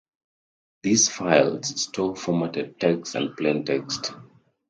These files store formatted text and plain text.